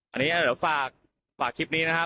อันนี้เดี๋ยวฝากคลิปนี้นะครับ